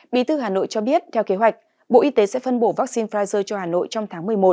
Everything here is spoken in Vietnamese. bí thư hà nội cho biết theo kế hoạch bộ y tế sẽ phân bổ vaccine pfizer cho hà nội trong tháng một mươi một